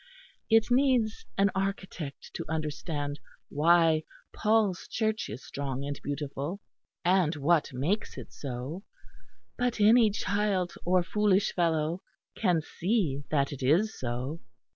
It needs an architect to understand why Paul's Church is strong and beautiful, and what makes it so; but any child or foolish fellow can see that it is so."